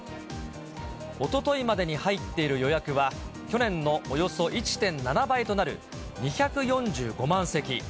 おとといまでに入っている予約は、去年のおよそ１．７倍となる２４５万席。